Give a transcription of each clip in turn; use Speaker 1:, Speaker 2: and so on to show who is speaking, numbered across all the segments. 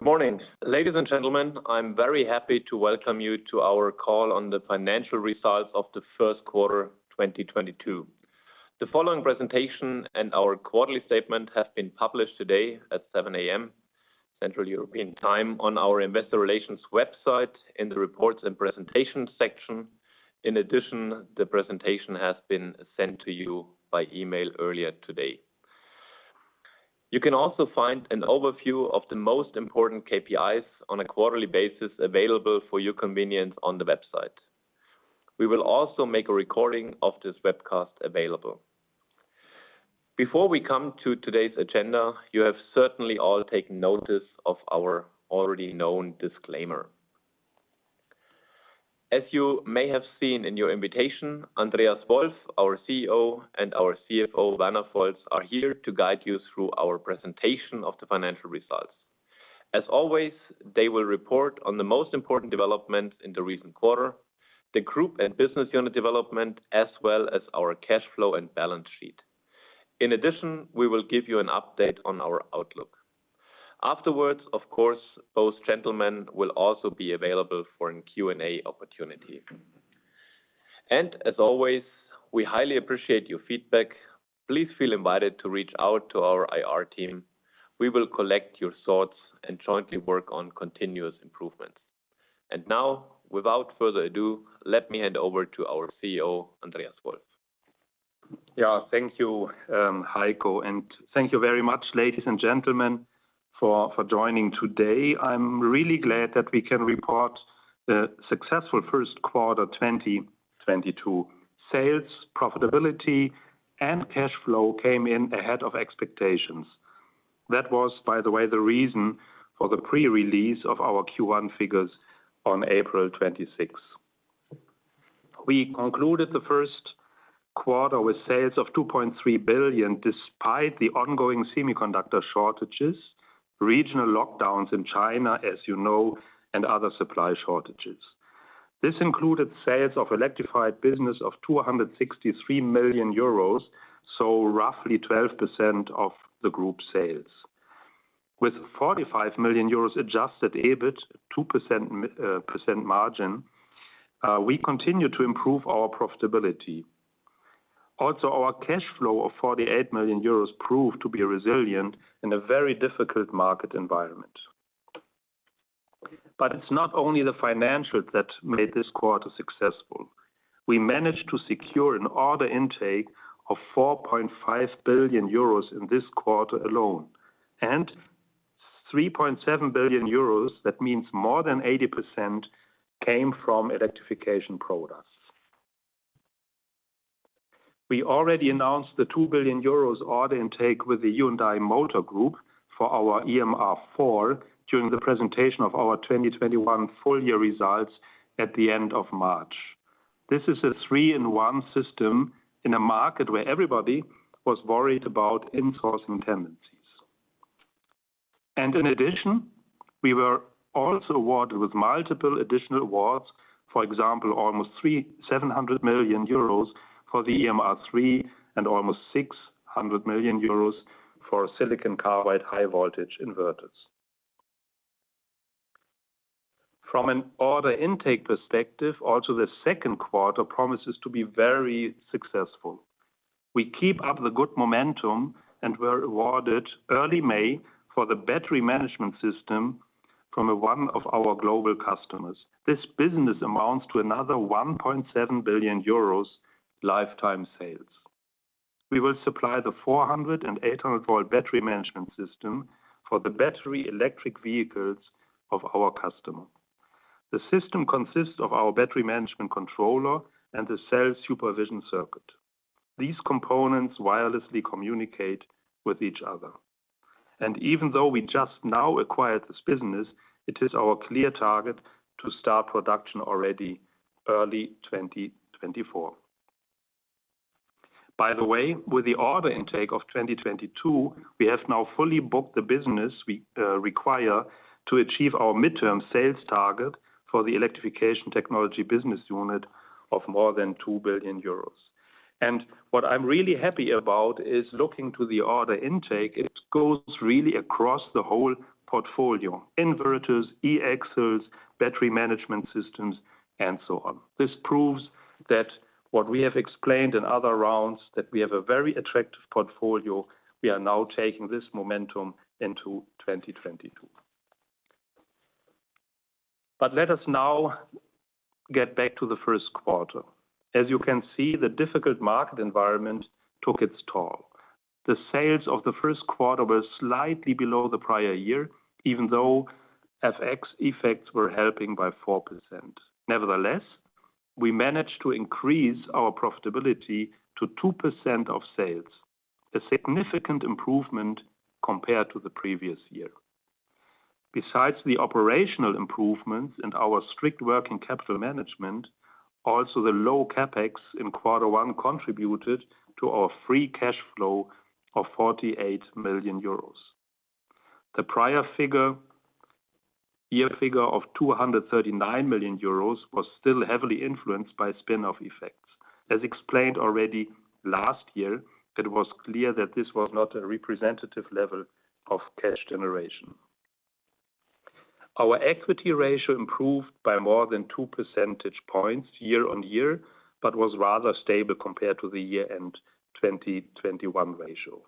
Speaker 1: Good morning. Ladies and gentlemen, I'm very happy to welcome you to our call on the financial results of the first quarter 2022. The following presentation and our quarterly statement have been published today at 7:00 A.M. Central European Time on our investor relations website in the Reports and Presentation section. In addition, the presentation has been sent to you by email earlier today. You can also find an overview of the most important KPIs on a quarterly basis available for your convenience on the website. We will also make a recording of this webcast available. Before we come to today's agenda, you have certainly all taken notice of our already known disclaimer. As you may have seen in your invitation, Andreas Wolf, our CEO, and our CFO, Werner Volz, are here to guide you through our presentation of the financial results. As always, they will report on the most important developments in the recent quarter, the group and business unit development, as well as our cash flow and balance sheet. In addition, we will give you an update on our outlook. Afterwards, of course, both gentlemen will also be available for a Q&A opportunity. As always, we highly appreciate your feedback. Please feel invited to reach out to our IR team. We will collect your thoughts and jointly work on continuous improvements. Now, without further ado, let me hand over to our CEO, Andreas Wolf.
Speaker 2: Yeah. Thank you, Heiko, and thank you very much, ladies and gentlemen, for joining today. I'm really glad that we can report a successful first quarter 2022. Sales, profitability, and cash flow came in ahead of expectations. That was, by the way, the reason for the pre-release of our Q1 figures on April 26. We concluded the first quarter with sales of 2.3 billion, despite the ongoing semiconductor shortages, regional lockdowns in China, as you know, and other supply shortages. This included sales of electrified business of 263 million euros, so roughly 12% of the group sales. With 45 million euros adjusted EBIT, 2% margin, we continue to improve our profitability. Also, our cash flow of 48 million euros proved to be resilient in a very difficult market environment. It's not only the financials that made this quarter successful. We managed to secure an order intake of 4.5 billion euros in this quarter alone. Three point seven billion euros, that means more than 80%, came from electrification products. We already announced the 2 billion euros order intake with the Hyundai Motor Group for our EMR4 during the presentation of our 2021 full year results at the end of March. This is a 3-in-1 system in a market where everybody was worried about insourcing tendencies. In addition, we were also awarded with multiple additional awards, for example, almost 700 million euros for the EMR3 and almost 600 million euros for silicon carbide high-voltage inverters. From an order intake perspective, also the second quarter promises to be very successful. We keep up the good momentum, and we were awarded early May for the battery management system from one of our global customers. This business amounts to another 1.7 billion euros lifetime sales. We will supply the 400- and 800-volt battery management system for the battery electric vehicles of our customer. The system consists of our battery management controller and the cell supervising circuit. These components wirelessly communicate with each other. Even though we just now acquired this business, it is our clear target to start production already early 2024. By the way, with the order intake of 2022, we have now fully booked the business we require to achieve our midterm sales target for the Electrification Technology business unit of more than 2 billion euros. What I'm really happy about is looking to the order intake, it goes really across the whole portfolio, inverters, E-axles, battery management systems, and so on. This proves that what we have explained in other rounds, that we have a very attractive portfolio, we are now taking this momentum into 2022. Let us now get back to the first quarter. As you can see, the difficult market environment took its toll. The sales of the first quarter were slightly below the prior year, even though FX effects were helping by 4%. Nevertheless, we managed to increase our profitability to 2% of sales, a significant improvement compared to the previous year. Besides the operational improvements and our strict working capital management, also the low CapEx in quarter one contributed to our free cash flow of 48 million euros. The prior year figure of 239 million euros was still heavily influenced by spin-off effects. As explained already last year, it was clear that this was not a representative level of cash generation. Our equity ratio improved by more than two percentage points year-on-year, but was rather stable compared to the year-end 2021 ratio.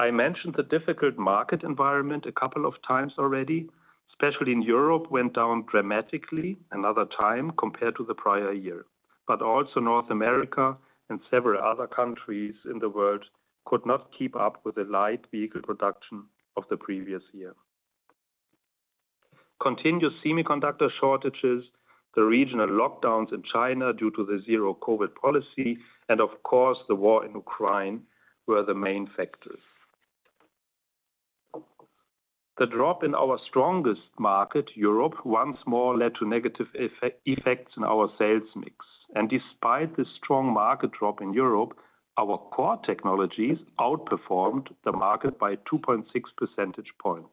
Speaker 2: I mentioned the difficult market environment a couple of times already, especially in Europe, went down dramatically another time compared to the prior year. Also North America and several other countries in the world could not keep up with the light vehicle production of the previous year. Continuous semiconductor shortages, the regional lockdowns in China due to the zero COVID policy, and of course, the war in Ukraine, were the main factors. The drop in our strongest market, Europe, once more led to negative effects in our sales mix. Despite the strong market drop in Europe, our core technologies outperformed the market by 2.6 percentage points.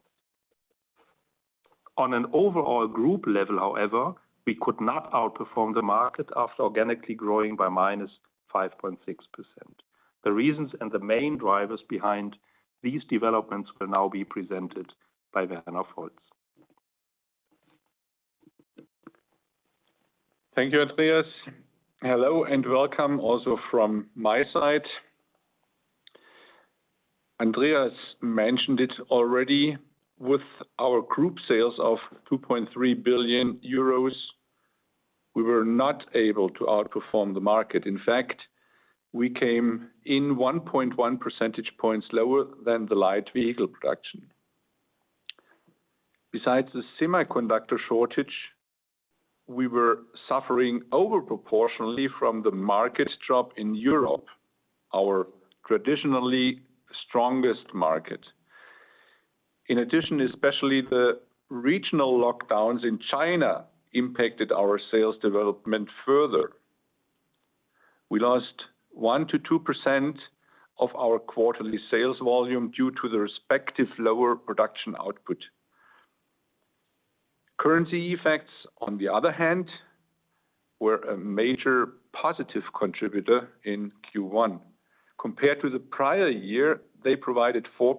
Speaker 2: On an overall group level, however, we could not outperform the market after organically growing by -5.6%. The reasons and the main drivers behind these developments will now be presented by Werner Volz.
Speaker 3: Thank you, Andreas. Hello, and welcome also from my side. Andreas mentioned it already, with our group sales of 2.3 billion euros, we were not able to outperform the market. In fact, we came in 1.1 percentage points lower than the light vehicle production. Besides the semiconductor shortage, we were suffering over proportionally from the market drop in Europe, our traditionally strongest market. In addition, especially the regional lockdowns in China impacted our sales development further. We lost 1%-2% of our quarterly sales volume due to the respective lower production output. Currency effects, on the other hand, were a major positive contributor in Q1. Compared to the prior year, they provided 4%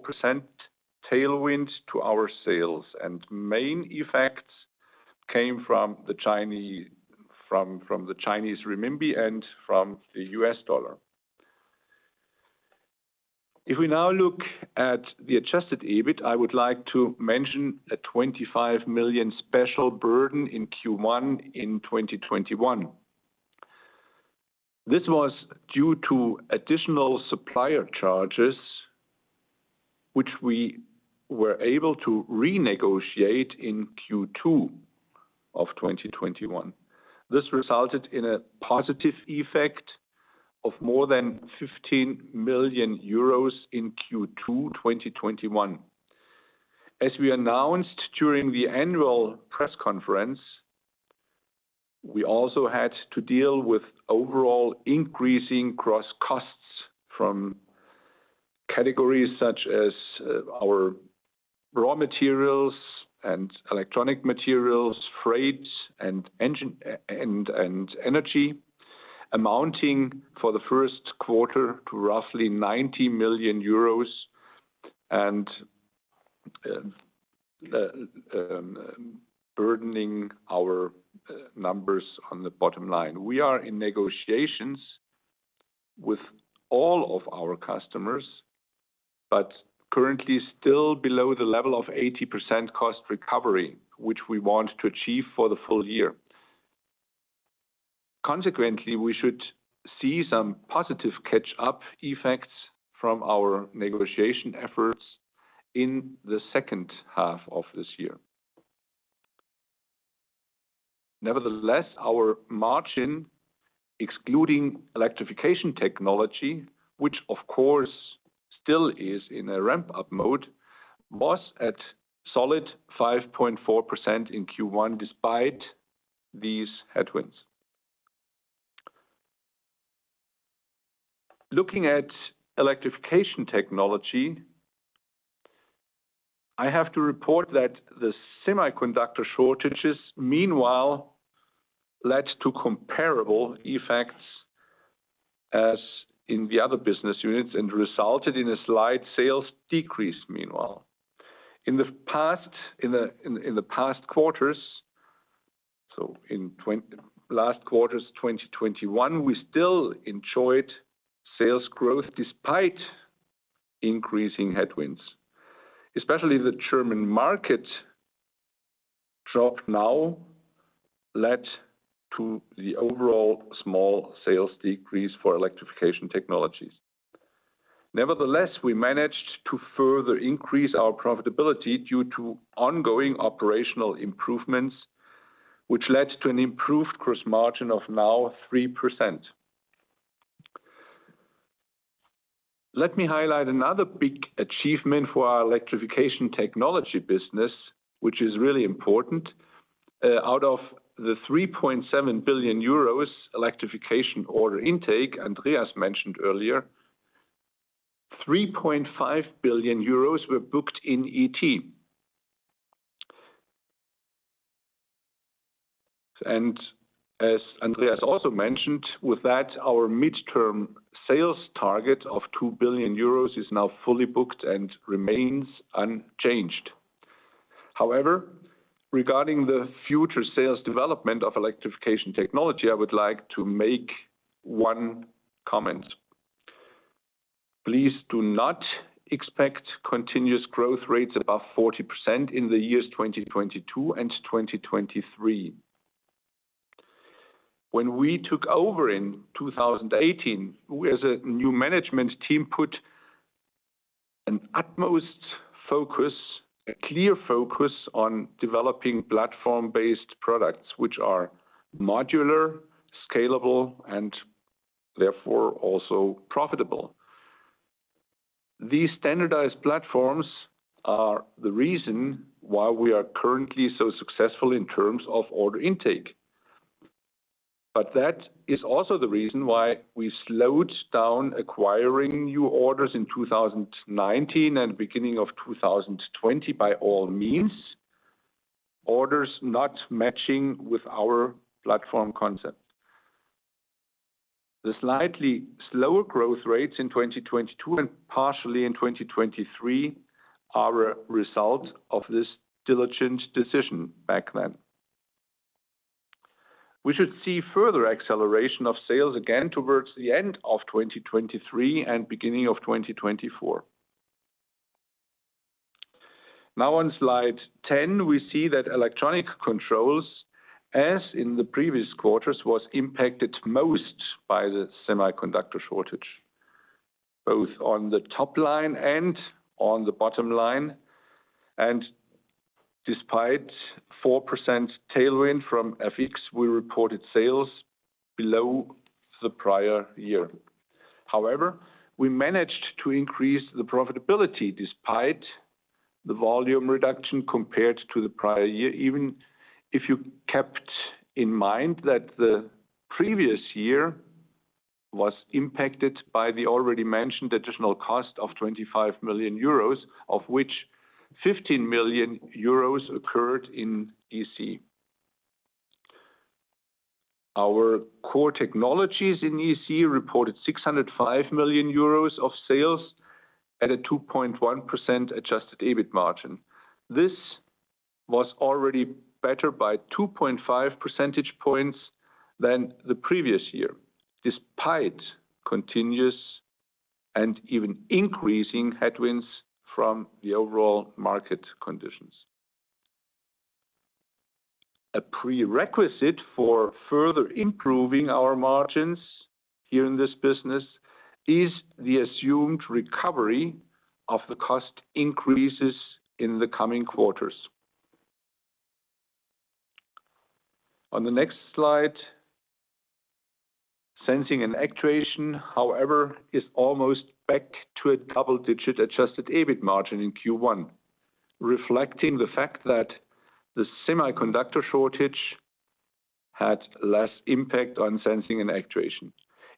Speaker 3: tailwind to our sales, and main effects came from the Chinese renminbi and from the US dollar. If we now look at the adjusted EBIT, I would like to mention a 25 million special burden in Q1 in 2021. This was due to additional supplier charges, which we were able to renegotiate in Q2 of 2021. This resulted in a positive effect of more than 15 million euros in Q2 2021. As we announced during the annual press conference, we also had to deal with overall increasing costs across categories such as our raw materials and electronic materials, freights, and energy, amounting to in the first quarter roughly 90 million euros and burdening our numbers on the bottom line. We are in negotiations with all of our customers, but currently still below the level of 80% cost recovery, which we want to achieve for the full year. Consequently, we should see some positive catch-up effects from our negotiation efforts in the second half of this year. Nevertheless, our margin, excluding Electrification Technology, which of course still is in a ramp-up mode, was at solid 5.4% in Q1 despite these headwinds. Looking at Electrification Technology, I have to report that the semiconductor shortages, meanwhile, led to comparable effects as in the other business units and resulted in a slight sales decrease meanwhile. In the past quarters, so in last quarters, 2021, we still enjoyed sales growth despite increasing headwinds, especially the German market drop now led to the overall small sales decrease for Electrification Technologies. Nevertheless, we managed to further increase our profitability due to ongoing operational improvements, which led to an improved gross margin of now 3%. Let me highlight another big achievement for our Electrification Technology business, which is really important. Out of the 3.7 billion euros electrification order intake Andreas mentioned earlier, 3.5 billion euros were booked in ET. As Andreas also mentioned, with that, our mid-term sales target of 2 billion euros is now fully booked and remains unchanged. However, regarding the future sales development of Electrification Technology, I would like to make one comment. Please do not expect continuous growth rates above 40% in the years 2022 and 2023. When we took over in 2018, we as a new management team put an utmost focus, a clear focus on developing platform-based products which are modular, scalable, and therefore also profitable. These standardized platforms are the reason why we are currently so successful in terms of order intake. That is also the reason why we slowed down acquiring new orders in 2019 and beginning of 2020 by all means, orders not matching with our platform concept. The slightly slower growth rates in 2022 and partially in 2023 are a result of this diligent decision back then. We should see further acceleration of sales again towards the end of 2023 and beginning of 2024. Now on slide 10, we see that Electronic Controls, as in the previous quarters, was impacted most by the semiconductor shortage, both on the top line and on the bottom line. Despite 4% tailwind from FX, we reported sales below the prior year. However, we managed to increase the profitability despite the volume reduction compared to the prior year, even if you kept in mind that the previous year was impacted by the already mentioned additional cost of 25 million euros, of which 15 million euros occurred in EC. Our core technologies in EC reported 605 million euros of sales at a 2.1% adjusted EBIT margin. This was already better by 2.5 percentage points than the previous year, despite continuous and even increasing headwinds from the overall market conditions. A prerequisite for further improving our margins here in this business is the assumed recovery of the cost increases in the coming quarters. On the next slide, Sensing & Actuation, however, is almost back to a double-digit adjusted EBIT margin in Q1, reflecting the fact that the semiconductor shortage had less impact on Sensing & Actuation.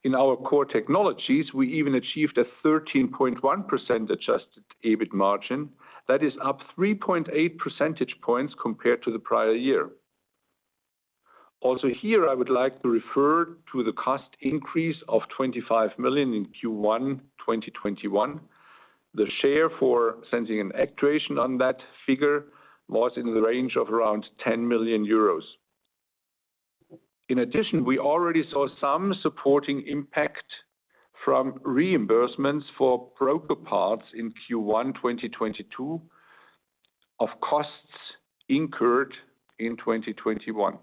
Speaker 3: In our core technologies, we even achieved a 13.1% adjusted EBIT margin. That is up 3.8 percentage points compared to the prior year. Also here, I would like to refer to the cost increase of 25 million in Q1 2021. The share for Sensing & Actuation on that figure was in the range of around 10 million euros. In addition, we already saw some supporting impact from reimbursements for broker parts in Q1 2022 of costs incurred in 2021.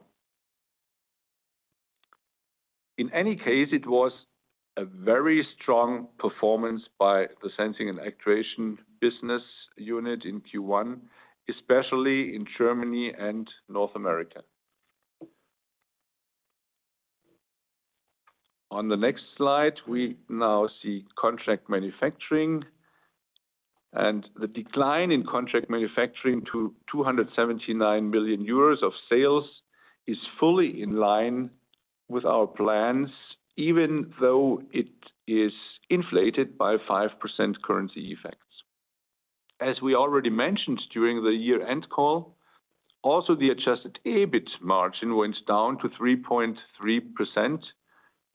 Speaker 3: In any case, it was a very strong performance by the Sensing & Actuation business unit in Q1, especially in Germany and North America. On the next slide, we now see contract manufacturing. The decline in contract manufacturing to 279 million euros of sales is fully in line with our plans, even though it is inflated by 5% currency effects. As we already mentioned during the year-end call, also the adjusted EBIT margin went down to 3.3%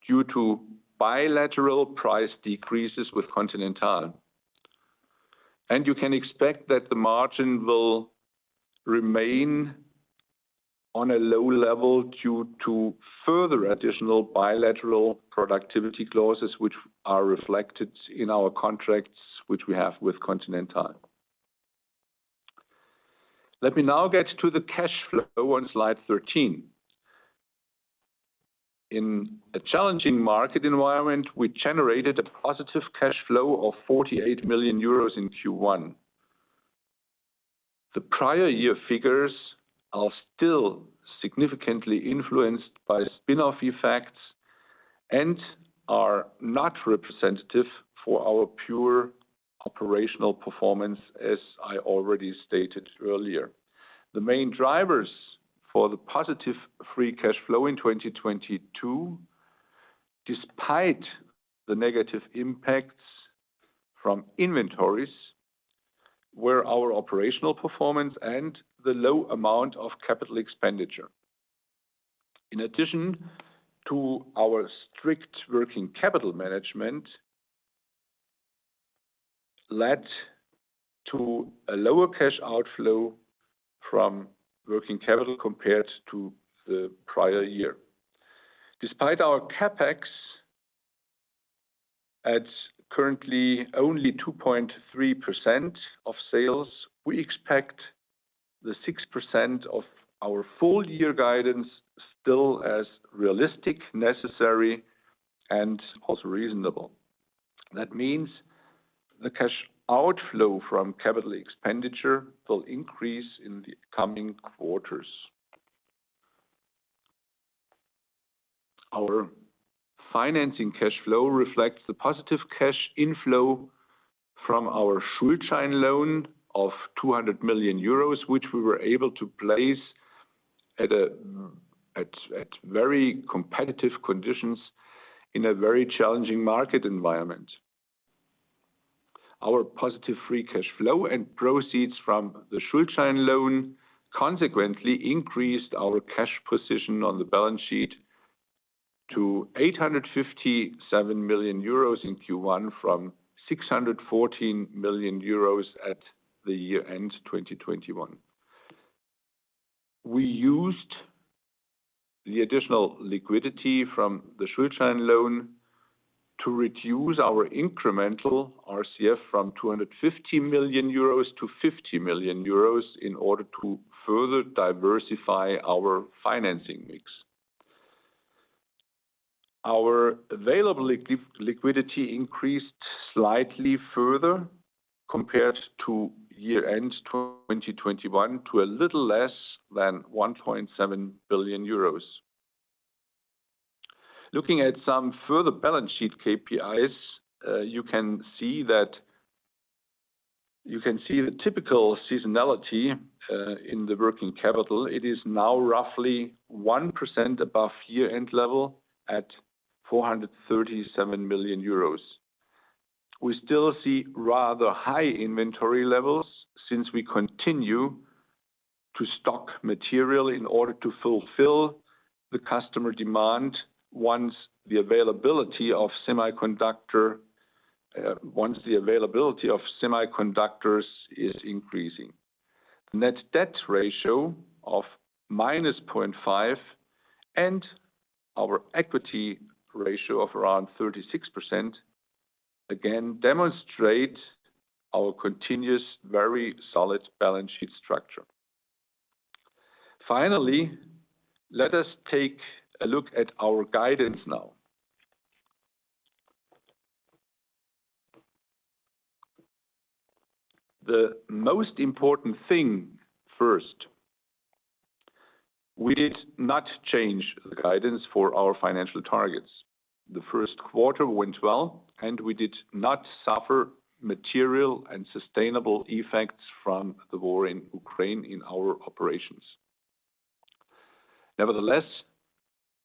Speaker 3: due to bilateral price decreases with Continental. You can expect that the margin will remain on a low level due to further additional bilateral productivity clauses, which are reflected in our contracts which we have with Continental. Let me now get to the cash flow on slide 13. In a challenging market environment, we generated a positive cash flow of 48 million euros in Q1. The prior year figures are still significantly influenced by spin-off effects and are not representative for our pure operational performance, as I already stated earlier. The main drivers for the positive free cash flow in 2022, despite the negative impacts from inventories, were our operational performance and the low amount of capital expenditure. In addition, our strict working capital management led to a lower cash outflow from working capital compared to the prior year. Despite our CapEx at currently only 2.3% of sales, we expect the 6% of our full year guidance still as realistic, necessary, and also reasonable. That means the cash outflow from capital expenditure will increase in the coming quarters. Our financing cash flow reflects the positive cash inflow from our Schuldschein loan of 200 million euros, which we were able to place at very competitive conditions in a very challenging market environment. Our positive free cash flow and proceeds from the Schuldschein loan consequently increased our cash position on the balance sheet to 857 million euros in Q1 from 614 million euros at year-end 2021. We used the additional liquidity from the Schuldschein loan to reduce our incremental RCF from 250 million euros to 50 million euros in order to further diversify our financing mix. Our available liquidity increased slightly further compared to year-end 2021 to a little less than 1.7 billion euros. Looking at some further balance sheet KPIs, you can see the typical seasonality in the working capital. It is now roughly 1% above year-end level at 437 million euros. We still see rather high inventory levels since we continue to stock material in order to fulfill the customer demand, once the availability of semiconductors is increasing. Net debt ratio of -0.5 and our equity ratio of around 36%, again, demonstrate our continuous, very solid balance sheet structure. Finally, let us take a look at our guidance now. The most important thing first, we did not change the guidance for our financial targets. The first quarter went well, and we did not suffer material and sustainable effects from the war in Ukraine in our operations. Nevertheless,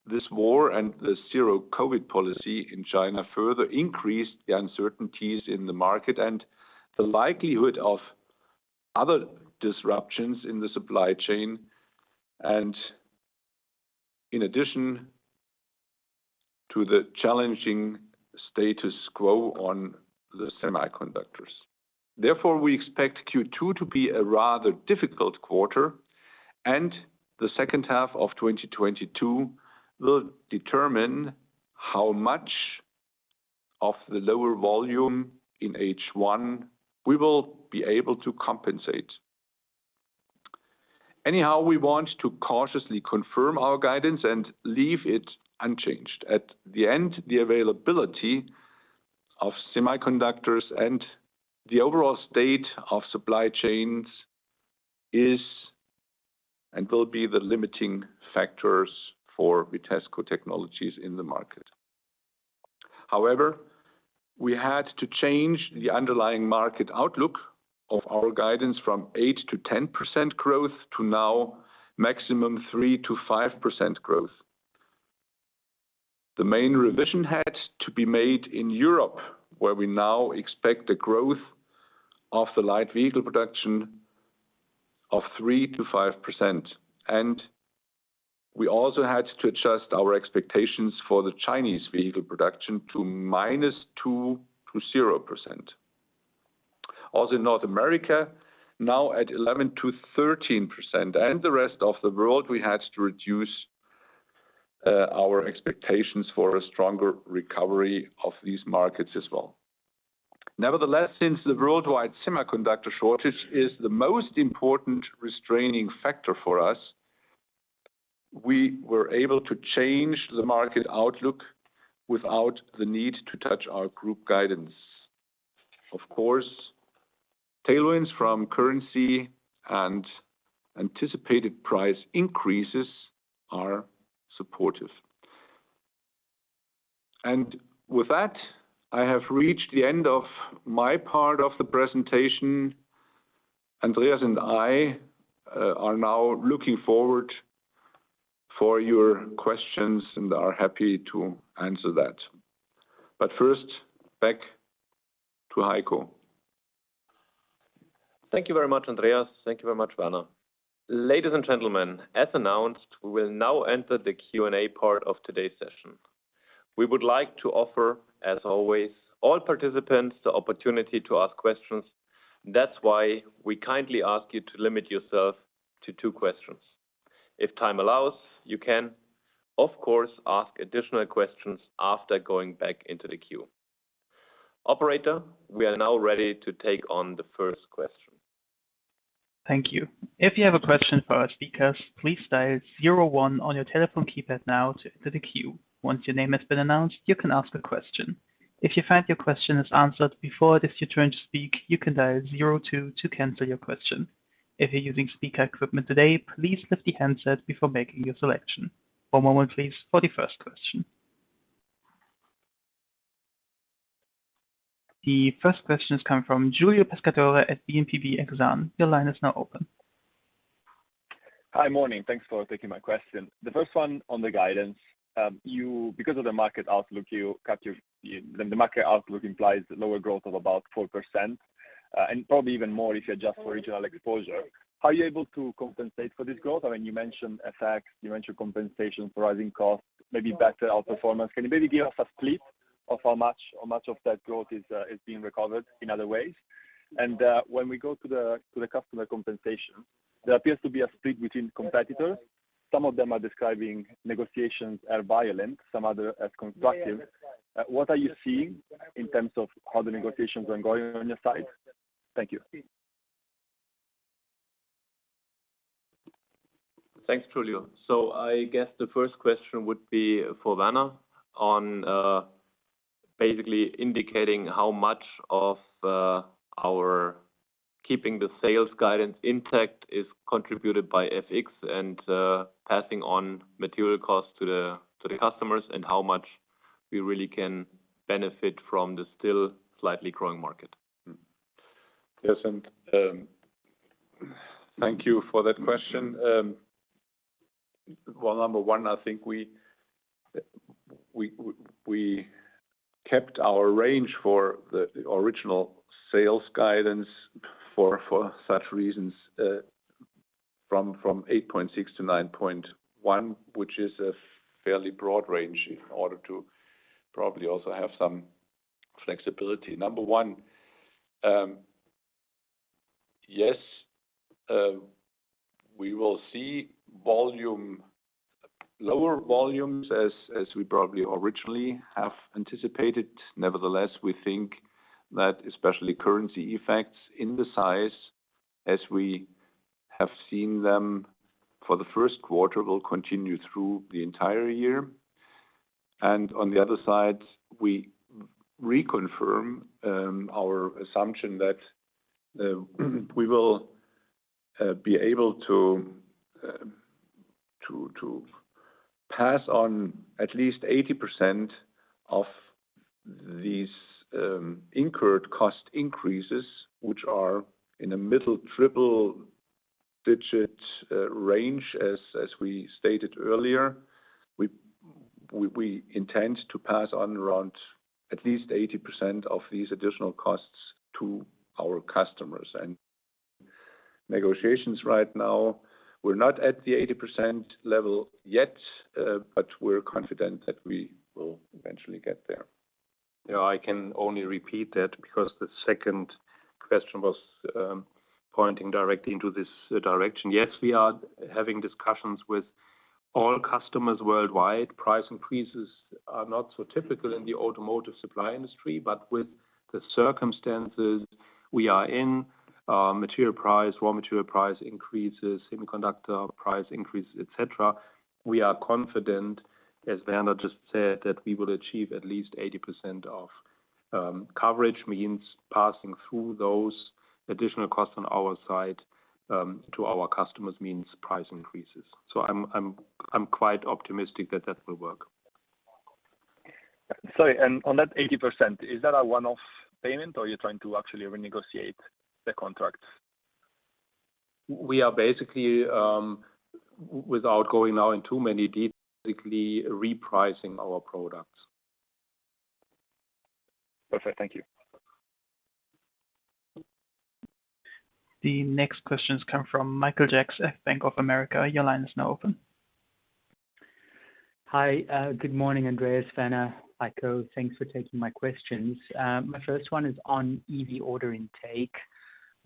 Speaker 3: this war and the zero COVID policy in China further increased the uncertainties in the market and the likelihood of other disruptions in the supply chain, and in addition to the challenging status quo on the semiconductors. Therefore, we expect Q2 to be a rather difficult quarter, and the second half of 2022 will determine how much of the lower volume in H1 we will be able to compensate. Anyhow, we want to cautiously confirm our guidance and leave it unchanged. At the end, the availability of semiconductors and the overall state of supply chains is and will be the limiting factors for Vitesco Technologies in the market. However, we had to change the underlying market outlook of our guidance from 8%-10% growth to now maximum 3%-5% growth. The main revision had to be made in Europe, where we now expect the growth of the light vehicle production of 3%-5%. We also had to adjust our expectations for the Chinese vehicle production to -2% to 0%. In North America, now at 11%-13%, and the rest of the world, we had to reduce our expectations for a stronger recovery of these markets as well. Nevertheless, since the worldwide semiconductor shortage is the most important restraining factor for us, we were able to change the market outlook without the need to touch our group guidance. Of course, tailwinds from currency and anticipated price increases are supportive. With that, I have reached the end of my part of the presentation. Andreas and I are now looking forward to your questions and are happy to answer that. First, back to Heiko.
Speaker 1: Thank you very much, Andreas. Thank you very much, Werner. Ladies and gentlemen, as announced, we will now enter the Q&A part of today's session. We would like to offer, as always, all participants the opportunity to ask questions. That's why we kindly ask you to limit yourself to two questions. If time allows, you can, of course, ask additional questions after going back into the queue. Operator, we are now ready to take on the first question.
Speaker 4: Thank you. If you have a question for our speakers, please dial zero-one on your telephone keypad now to enter the queue. Once your name has been announced, you can ask a question. If you find your question is answered before it is your turn to speak, you can dial zero-two to cancel your question. If you're using speaker equipment today, please lift the handset before making your selection. One moment, please, for the first question. The first question is coming from Giulio Pescatore at BNP Paribas Exane. Your line is now open.
Speaker 5: Hi. Morning. Thanks for taking my question. The first one on the guidance. Because of the market outlook, the market outlook implies lower growth of about 4%, and probably even more if you adjust for regional exposure. Are you able to compensate for this growth? I mean, you mentioned effects, you mentioned compensation for rising costs, maybe better outperformance. Can you maybe give us a split of how much of that growth is being recovered in other ways? When we go to the customer compensation, there appears to be a split between competitors. Some of them are describing negotiations as violent, some others as constructive. What are you seeing in terms of how the negotiations are going on your side? Thank you.
Speaker 1: Thanks, Giulio. I guess the first question would be for Werner on basically indicating how much of our keeping the sales guidance intact is contributed by FX and passing on material costs to the customers and how much we really can benefit from the still slightly growing market.
Speaker 3: Yes. Thank you for that question. Number one, I think we kept our range for the original sales guidance for such reasons, from 8.6-9.1, which is a fairly broad range in order to probably also have some flexibility. Number one, yes, we will see lower volumes as we probably originally have anticipated. Nevertheless, we think that especially currency effects in the size as we have seen them for the first quarter will continue through the entire year. On the other side, we reconfirm our assumption that we will be able to pass on at least 80% of these incurred cost increases, which are in a middle triple-digit range as we stated earlier. We intend to pass on around at least 80% of these additional costs to our customers. Negotiations right now, we're not at the 80% level yet, but we're confident that we will eventually get there.
Speaker 1: Yeah, I can only repeat that because the second question was pointing directly into this direction. Yes, we are having discussions with all customers worldwide. Price increases are not so typical in the automotive supply industry, but with the circumstances we are in, material price, raw material price increases, semiconductor price increases, et cetera, we are confident, as Werner just said, that we will achieve at least 80% of coverage. Means passing through those additional costs on our side to our customers, means price increases. I'm quite optimistic that that will work.
Speaker 5: Sorry. On that 80%, is that a one-off payment or you're trying to actually renegotiate the contracts?
Speaker 1: We are basically, without going now in too many details, basically repricing our products.
Speaker 5: Perfect. Thank you.
Speaker 4: The next question comes from Michael Jacks at Bank of America. Your line is now open.
Speaker 6: Hi. Good morning, Andreas, Werner, Heiko. Thanks for taking my questions. My first one is on EV order intake,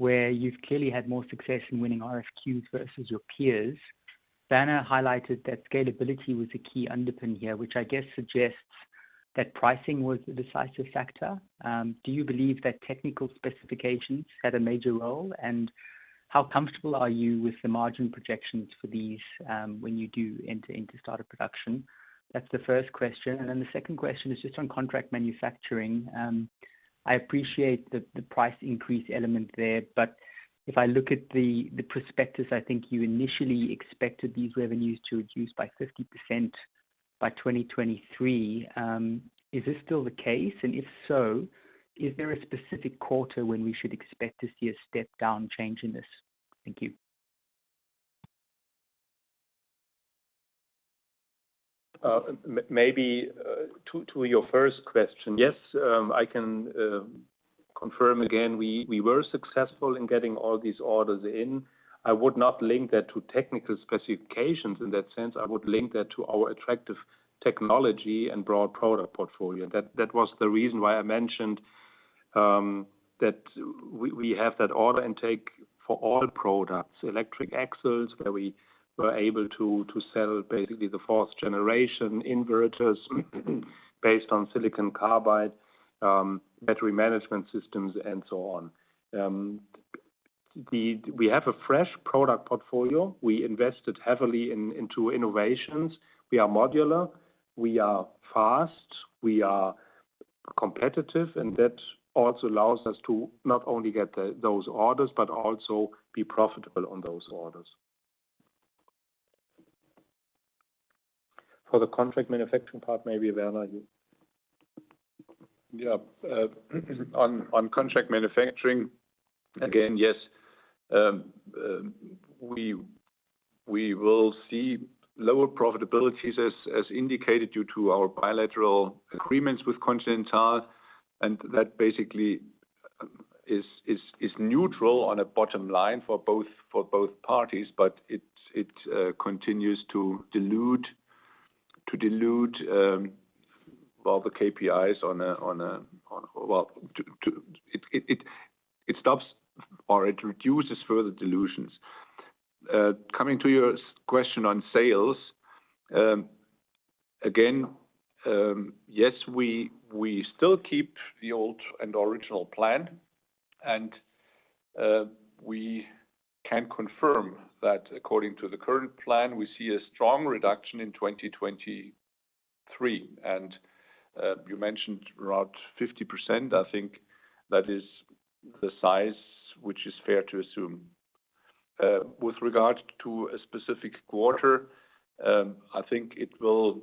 Speaker 6: where you've clearly had more success in winning RFQs versus your peers. Werner highlighted that scalability was a key underpin here, which I guess suggests that pricing was the decisive factor. Do you believe that technical specifications had a major role? And how comfortable are you with the margin projections for these, when you do enter into starter production? That's the first question. And then the second question is just on contract manufacturing. I appreciate the price increase element there, but if I look at the prospectus, I think you initially expected these revenues to reduce by 50% by 2023. Is this still the case? If so, is there a specific quarter when we should expect to see a step-down change in this? Thank you.
Speaker 2: Maybe to your first question. Yes, I can confirm again, we were successful in getting all these orders in. I would not link that to technical specifications in that sense. I would link that to our attractive technology and broad product portfolio. That was the reason why I mentioned that we have that order intake for all products, electric axles, where we were able to sell basically the fourth generation inverters based on silicon carbide, battery management systems, and so on. We have a fresh product portfolio. We invested heavily into innovations. We are modular, we are fast, we are competitive, and that also allows us to not only get those orders, but also be profitable on those orders.
Speaker 3: For the Contract Manufacturing part, maybe Werner, you. Yeah. On contract manufacturing, again, yes, we will see lower profitabilities as indicated due to our bilateral agreements with Continental, and that basically is neutral on a bottom line for both parties. It continues to dilute, well, the KPIs on a. Well, it stops or it reduces further dilutions. Coming to your second question on sales, again, yes, we still keep the old and original plan, and we can confirm that according to the current plan, we see a strong reduction in 2023. You mentioned around 50%. I think that is the size, which is fair to assume. With regard to a specific quarter, I think it will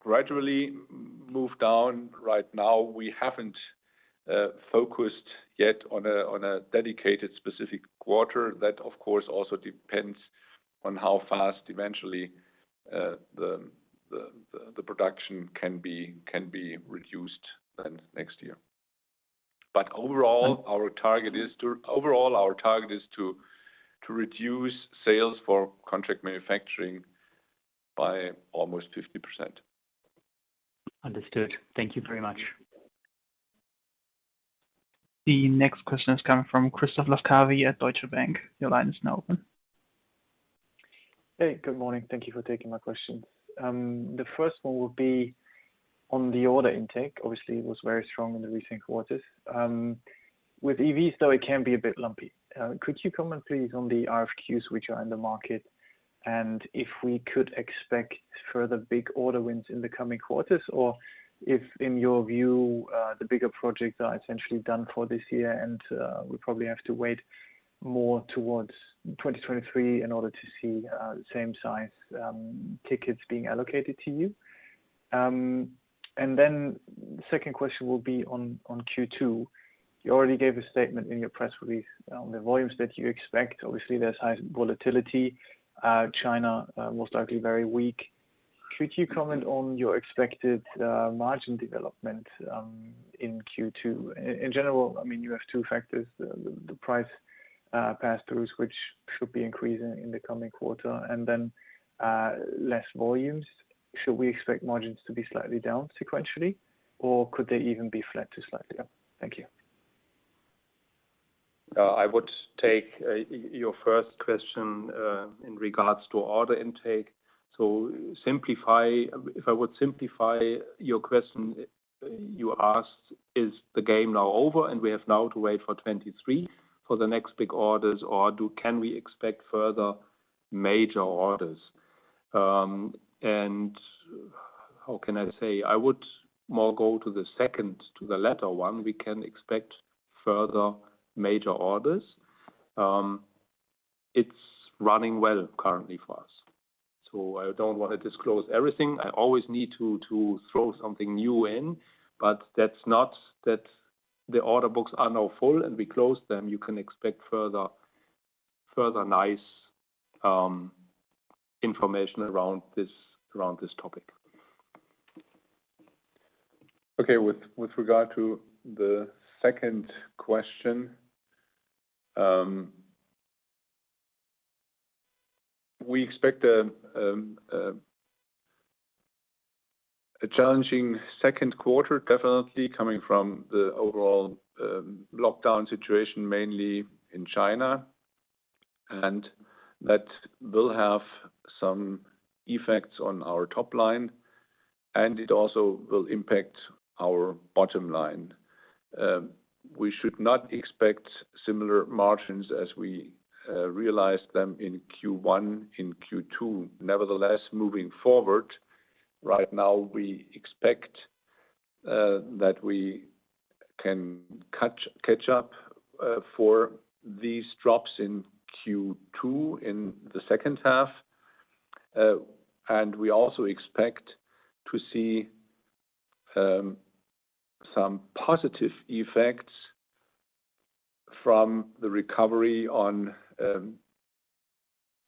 Speaker 3: gradually move down.
Speaker 2: Right now, we haven't focused yet on a dedicated specific quarter. That, of course, also depends on how fast eventually the production can be reduced then next year. Overall, our target is to reduce sales for Contract Manufacturing by almost 50%.
Speaker 6: Understood. Thank you very much.
Speaker 4: The next question is coming from Christoph Laskawi at Deutsche Bank. Your line is now open.
Speaker 7: Hey, good morning. Thank you for taking my questions. The first one will be on the order intake. Obviously, it was very strong in the recent quarters. With EVs, though, it can be a bit lumpy. Could you comment please on the RFQs which are in the market and if we could expect further big order wins in the coming quarters, or if in your view, the bigger projects are essentially done for this year and, we probably have to wait more towards 2023 in order to see, the same size, tickets being allocated to you? And then the second question will be on Q2. You already gave a statement in your press release on the volumes that you expect. Obviously, there's high volatility, China, most likely very weak. Could you comment on your expected margin development in Q2? In general, I mean, you have two factors, the price pass-throughs, which should be increasing in the coming quarter, and then less volumes. Should we expect margins to be slightly down sequentially, or could they even be flat to slightly up? Thank you.
Speaker 2: I would take your first question in regards to order intake. If I would simplify your question, you asked, is the game now over and we have now to wait for 2023 for the next big orders, or can we expect further major orders? How can I say? I would more go to the second, to the latter one. We can expect further major orders. It's running well currently for us. I don't wanna disclose everything. I always need to throw something new in, but that's not that the order books are now full, and we close them. You can expect further nice information around this topic.
Speaker 3: Okay. With regard to the second question, we expect a challenging second quarter, definitely, coming from the overall lockdown situation, mainly in China. That will have some effects on our top line, and it also will impact our bottom line.
Speaker 2: We should not expect similar margins as we realized them in Q1, in Q2. Nevertheless, moving forward, right now, we expect that we can catch up for these drops in Q2 in the second half. We also expect to see some positive effects from the recovery on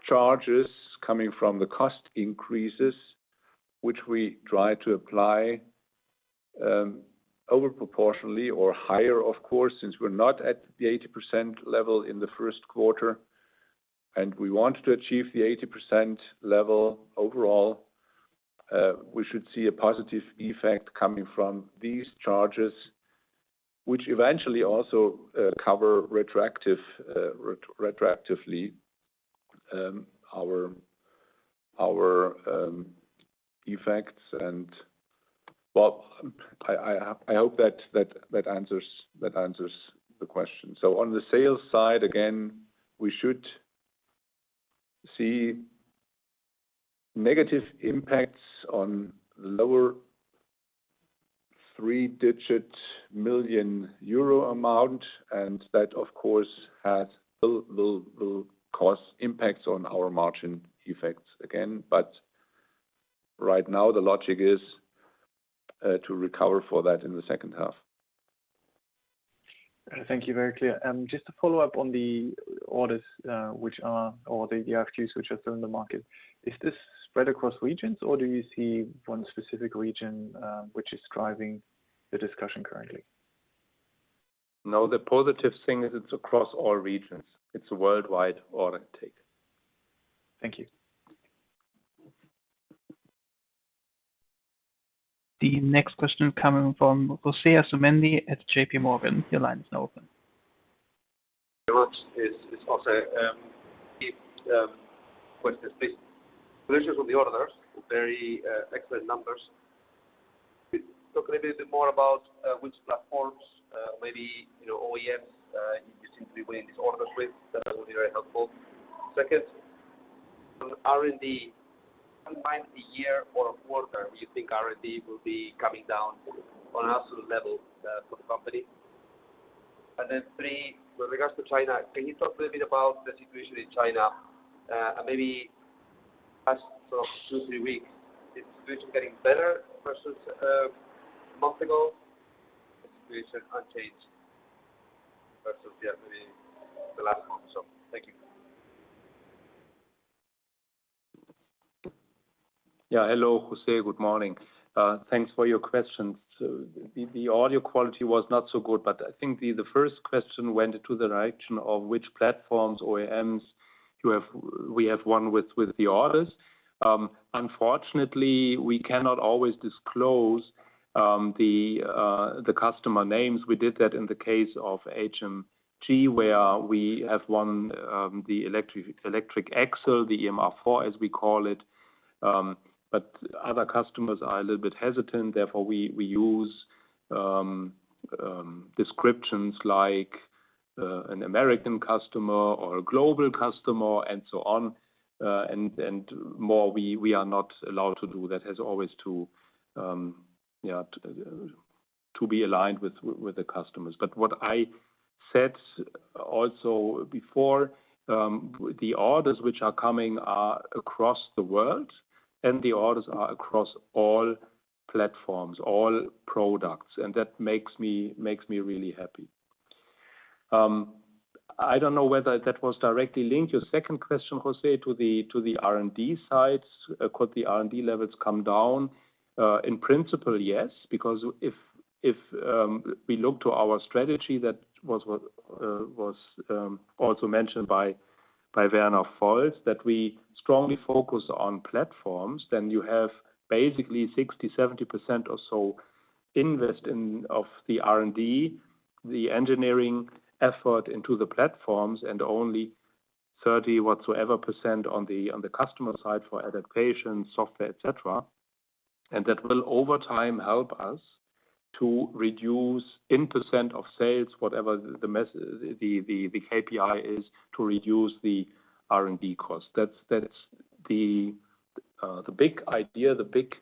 Speaker 2: charges coming from the cost increases, which we try to apply over proportionally or higher, of course, since we're not at the 80% level in the first quarter, and we want to achieve the 80% level overall, we should see a positive effect coming from these charges, which eventually also cover retroactively our effects. Well, I hope that answers the question. On the sales side, again, we should see negative impacts on lower three-digit million EUR amount, and that, of course, will cause impacts on our margin effects again. Right now, the logic is to recover for that in the second half.
Speaker 7: Thank you. Very clear. Just to follow up on the orders, or the RFQs which are still in the market, is this spread across regions, or do you see one specific region, which is driving the discussion currently?
Speaker 2: No, the positive thing is it's across all regions. It's a worldwide order take.
Speaker 7: Thank you.
Speaker 4: The next question coming from José Asumendi at JPMorgan. Your line is now open.
Speaker 8: Questions, please. Congratulations on the orders. Very excellent numbers. Could you talk a little bit more about which platforms, maybe, you know, OEMs, you seem to be winning these orders with, that would be very helpful. Second, on R&D, sometime this year or a quarter, you think R&D will be coming down on absolute level for the company. Three, with regards to China, can you talk a little bit about the situation in China, and maybe as from two, three weeks, is the situation getting better versus a month ago? The situation unchanged versus, yeah, maybe the last month or so. Thank you.
Speaker 2: Yeah. Hello, José. Good morning. Thanks for your questions. The audio quality was not so good, but I think the first question went to the direction of which platforms, OEMs we have won with the orders. Unfortunately, we cannot always disclose the customer names. We did that in the case of HMG, where we have won the electric axle, the EMR4, as we call it. But other customers are a little bit hesitant. Therefore, we use descriptions like an American customer or a global customer and so on, and more we are not allowed to do. That has always to be aligned with the customers. What I said also before, the orders which are coming are across the world, and the orders are across all platforms, all products, and that makes me really happy. I don't know whether that was directly linked. Your second question, José, to the R&D sides. Could the R&D levels come down? In principle, yes, because if we look to our strategy, that was also mentioned by Werner Volz, that we strongly focus on platforms, then you have basically 60%-70% or so investment in of the R&D, the engineering effort into the platforms, and only 30% whatsoever on the customer side for adaptation, software, et cetera. That will over time help us to reduce in % of sales, whatever the KPI is to reduce the R&D cost. That's the big idea, the big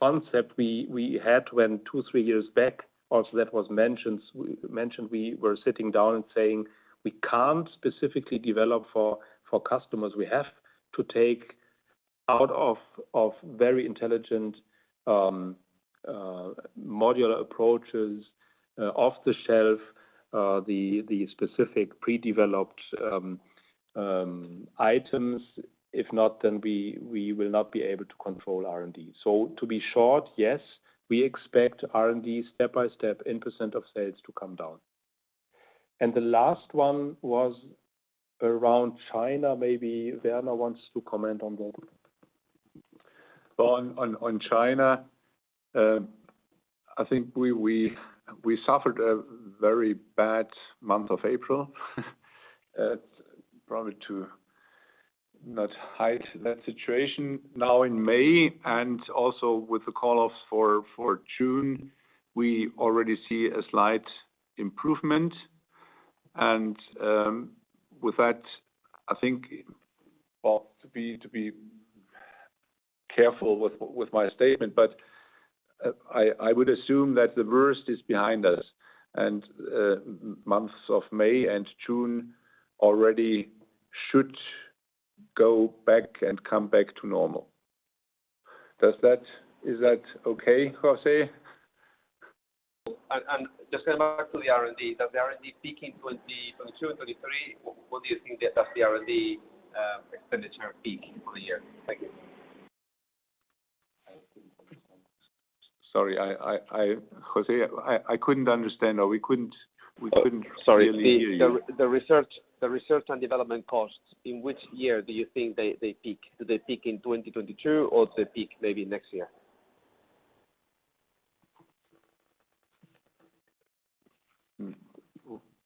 Speaker 2: concept we had 2-3 years back. That was also mentioned when we were sitting down and saying, we can't specifically develop for customers. We have to take advantage of very intelligent modular approaches off the shelf, the specific pre-developed items. If not, then we will not be able to control R&D. To be short, yes, we expect R&D step by step in % of sales to come down. The last one was around China. Maybe Werner wants to comment on that.
Speaker 3: Well, on China, I think we suffered a very bad month of April, probably to.
Speaker 2: We cannot hide that situation now in May, and also with the call-offs for June, we already see a slight improvement. With that, well, to be careful with my statement, but I would assume that the worst is behind us. Months of May and June already should go back and come back to normal. Is that okay, José?
Speaker 8: Just going back to the R&D. Does the R&D peak in 2022 or 2023? What do you think that's the R&D expenditure peak for the year? Thank you.
Speaker 2: Sorry, Jose, I couldn't understand, or we couldn't.
Speaker 8: Sorry.
Speaker 2: Really hear you.
Speaker 8: The research and development costs, in which year do you think they peak? Do they peak in 2022, or do they peak maybe next year?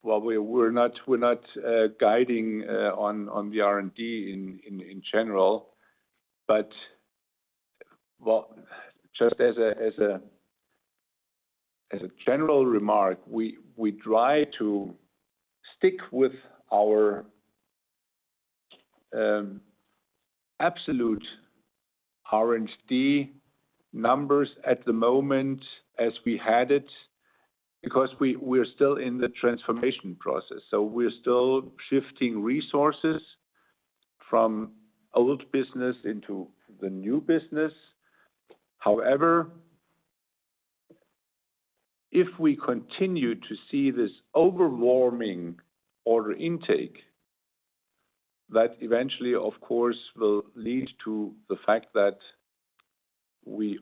Speaker 2: Well, we're not guiding on the R&D in general. Well, just as a general remark, we try to stick with our absolute R&D numbers at the moment as we had it, because we're still in the transformation process, so we're still shifting resources from old business into the new business. However, if we continue to see this overwhelming order intake, that eventually, of course, will lead to the fact that we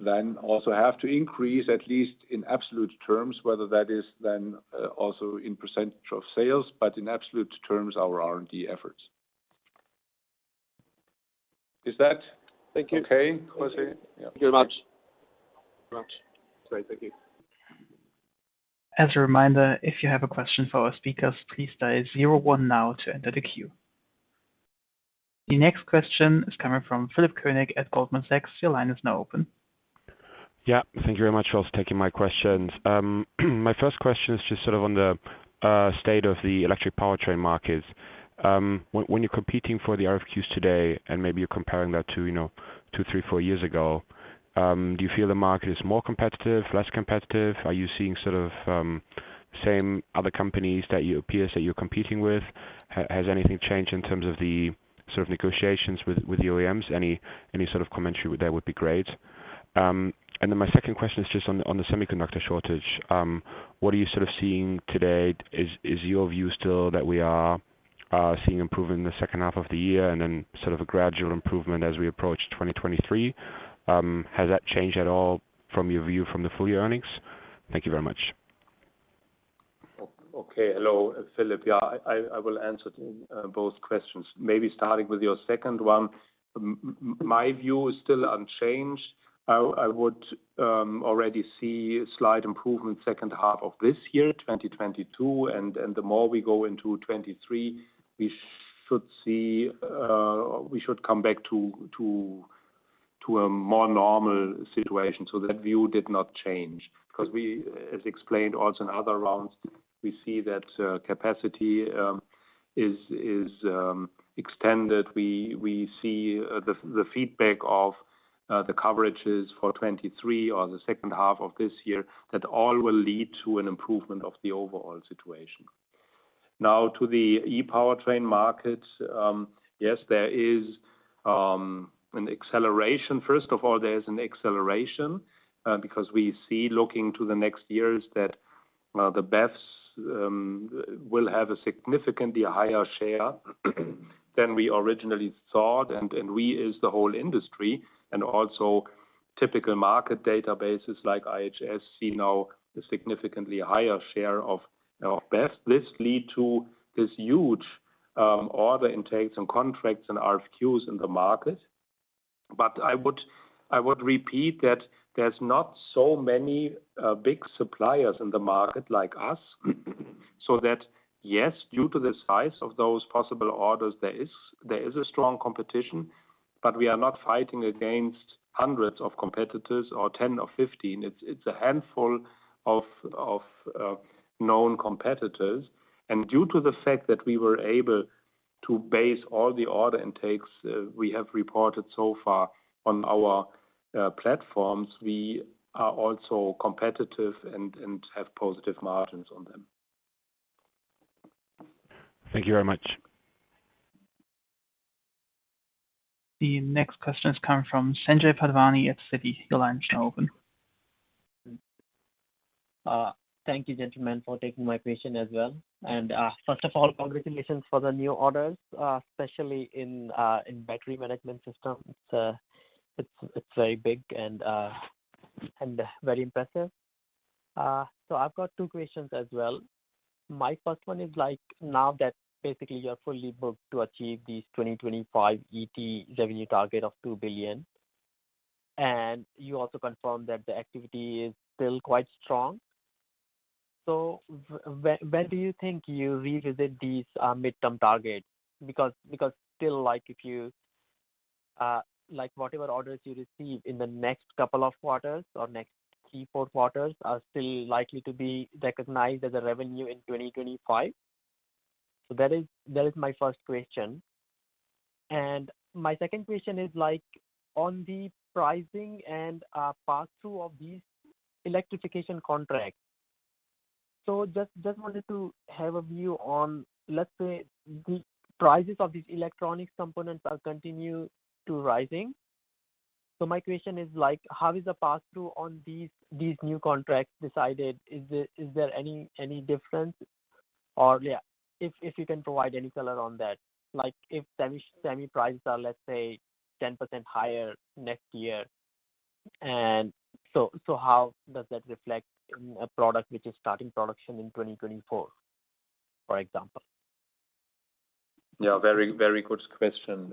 Speaker 2: then also have to increase, at least in absolute terms, whether that is then also in percentage of sales, but in absolute terms, our R&D efforts. Is that okay, Jose?
Speaker 8: Thank you. Thank you very much. Great. Thank you.
Speaker 4: As a reminder, if you have a question for our speakers, please dial zero-one now to enter the queue. The next question is coming from Philipp Koenig at Goldman Sachs. Your line is now open.
Speaker 9: Yeah. Thank you very much for taking my questions. My first question is just sort of on the state of the electric powertrain markets. When you're competing for the RFQs today, and maybe you're comparing that to, you know, 2, 3, 4 years ago, do you feel the market is more competitive, less competitive? Are you seeing sort of same peers that you're competing with? Has anything changed in terms of the sort of negotiations with the OEMs? Any sort of commentary there would be great. And then my second question is just on the semiconductor shortage. What are you sort of seeing today? Is your view still that we are seeing improvement in the second half of the year and then sort of a gradual improvement as we approach 2023? Has that changed at all from your view from the full year earnings? Thank you very much.
Speaker 2: Okay. Hello, Philipp. Yeah, I will answer to both questions. Maybe starting with your second one. My view is still unchanged. I would already see a slight improvement second half of this year, 2022. The more we go into 2023, we should see we should come back to a more normal situation. That view did not change. 'Cause we, as explained also in other rounds, we see that capacity is extended. We see the feedback of the coverages for 2023 or the second half of this year, that all will lead to an improvement of the overall situation. Now to the e-powertrain markets. Yes, there is an acceleration. First of all, there is an acceleration because we see looking to the next years that the BEVs will have a significantly higher share than we originally thought. We as the whole industry and also typical market databases like IHS see now a significantly higher share of BEVs. This lead to this huge order intakes and contracts and RFQs in the market. I would repeat that there's not so many big suppliers in the market like us. That, yes, due to the size of those possible orders, there is a strong competition, but we are not fighting against hundreds of competitors or 10 or 15. It's a handful of known competitors. Due to the fact that we were able to base all the order intakes we have reported so far on our platforms, we are also competitive and have positive margins on them.
Speaker 9: Thank you very much.
Speaker 4: The next question is coming from Sanjay Bhagwani at Citi. Your line is now open.
Speaker 10: Thank you, gentlemen, for taking my question as well. First of all, congratulations for the new orders, especially in battery management system. It's very big and very impressive. I've got two questions as well. My first one is like, now that basically you're fully booked to achieve these 2025 ET revenue target of 2 billion, and you also confirmed that the activity is still quite strong. When do you think you revisit these midterm targets? Because still like whatever orders you receive in the next couple of quarters or next key four quarters are still likely to be recognized as a revenue in 2025. That is my first question. My second question is like on the pricing and pass-through of these electrification contracts. Just wanted to have a view on, let's say, the prices of these electronic components are continue to rising. My question is like, how is the pass-through on these new contracts decided? Is there any difference? Or, yeah, if you can provide any color on that. Like, if semi prices are, let's say, 10% higher next year, and so how does that reflect in a product which is starting production in 2024, for example?
Speaker 2: Yeah. Very, very good question.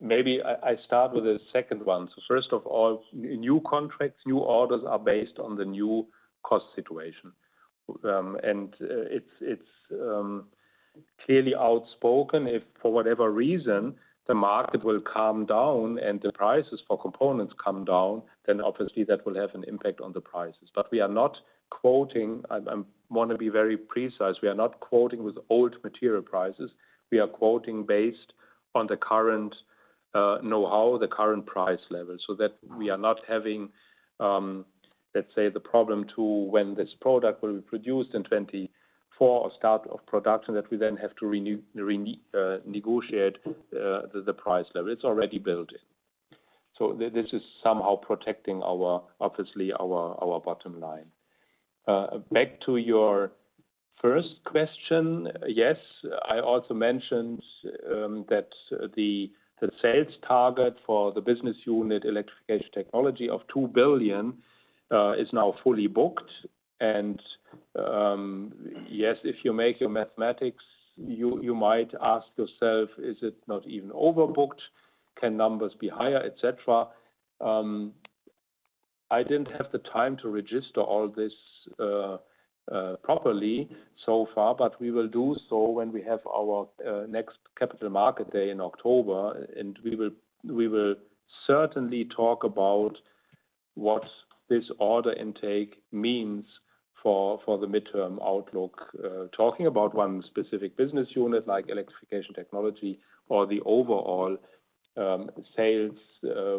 Speaker 2: Maybe I start with the second one. First of all, new contracts, new orders are based on the new cost situation. It's clearly outspoken if for whatever reason, the market will come down and the prices for components come down, then obviously that will have an impact on the prices. We are not quoting, I wanna be very precise, we are not quoting with old material prices. We are quoting based on the current know-how, the current price level, so that we are not having, let's say, the problem to when this product will be produced in 2024 or start of production, that we then have to negotiate the price level. It's already built in. This is somehow protecting our bottom line, obviously. Back to your first question. Yes, I also mentioned that the sales target for the business unit, Electrification Technology, of 2 billion is now fully booked. Yes, if you make your mathematics, you might ask yourself, "Is it not even overbooked? Can numbers be higher?" Et cetera. I didn't have the time to register all this properly so far, but we will do so when we have our next Capital Markets Day in October. We will certainly talk about what this order intake means for the midterm outlook. Talking about one specific business unit like Electrification Technology or the overall sales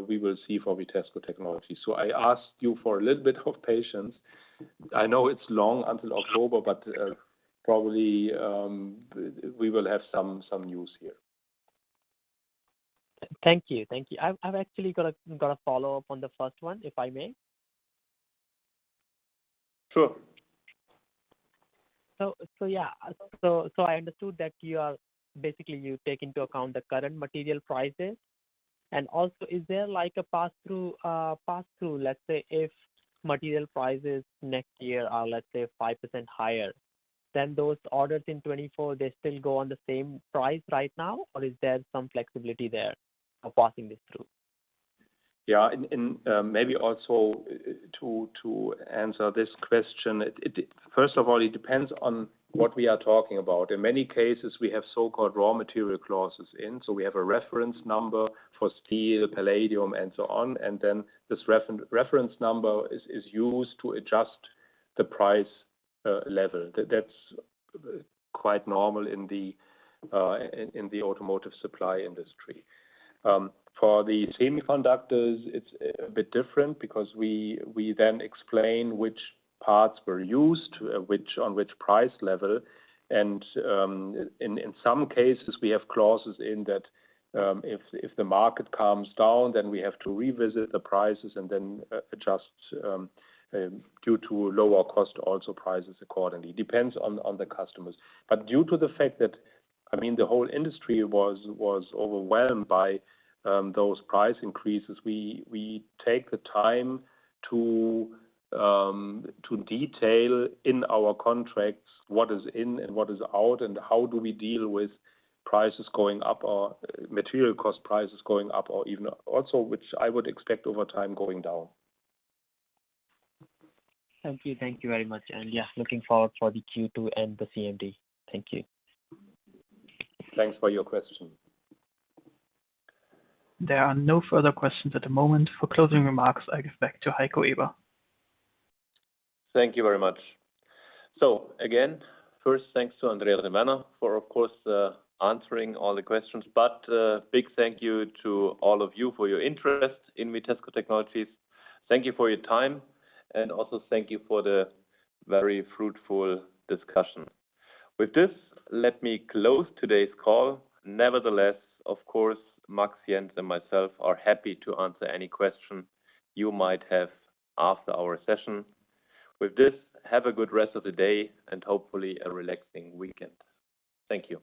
Speaker 2: we will see for Vitesco Technologies. I ask you for a little bit of patience. I know it's long until October, but probably we will have some news here.
Speaker 10: Thank you. I've actually got a follow-up on the first one, if I may.
Speaker 2: Sure.
Speaker 10: I understood that you are basically you take into account the current material prices. Also, is there like a pass-through, let's say, if material prices next year are, let's say, 5% higher, then those orders in 2024, they still go on the same price right now, or is there some flexibility there of passing this through?
Speaker 2: Maybe also to answer this question, first of all, it depends on what we are talking about. In many cases, we have so-called raw material clauses, so we have a reference number for steel, palladium, and so on. Then this reference number is used to adjust the price level. That's quite normal in the automotive supply industry. For the semiconductors, it's a bit different because we then explain which parts were used on which price level. In some cases, we have clauses in that if the market comes down, then we have to revisit the prices and then adjust due to lower cost also prices accordingly. Depends on the customers. Due to the fact that, I mean, the whole industry was overwhelmed by those price increases, we take the time to detail in our contracts what is in and what is out and how do we deal with prices going up or material cost prices going up or even also, which I would expect over time, going down.
Speaker 10: Thank you. Thank you very much. Yeah, looking forward for the Q2 and the CMD. Thank you.
Speaker 2: Thanks for your question.
Speaker 4: There are no further questions at the moment. For closing remarks, I give back to Heiko Eber.
Speaker 1: Thank you very much. Again, first, thanks to Andreas Wolf for, of course, answering all the questions. Big thank you to all of you for your interest in Vitesco Technologies. Thank you for your time, and also thank you for the very fruitful discussion. With this, let me close today's call. Nevertheless, of course, Maxi, Jens, and myself are happy to answer any question you might have after our session. With this, have a good rest of the day, and hopefully a relaxing weekend. Thank you.